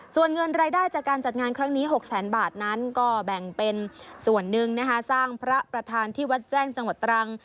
ส่วนเงินรายได้จากการจัดงานครั้งนี้๖แสนบาทนั้นก็แบ่งเป็นส่วนหนึ่งนะคะสร้างพระประธานที่วัดแจ้งจังหวัดตรัง